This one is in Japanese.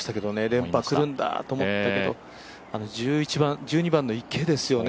連覇くるんだと思ったけど、１２番の池ですよね。